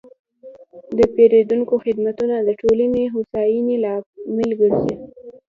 د پیرودونکو خدمتونه د ټولنې د هوساینې لامل ګرځي.